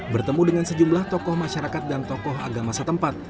bertemu dengan sejumlah tokoh masyarakat dan tokoh agama setempat